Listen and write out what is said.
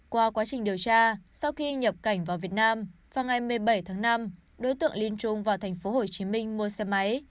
qua quá trình điều tra sau khi nhập cảnh vào việt nam vào ngày một mươi bảy tháng năm đối tượng linh trung vào thành phố hồ chí minh mua xe máy